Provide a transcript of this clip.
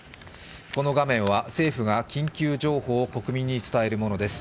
この画面は政府が緊急情報を国民に伝えるものです。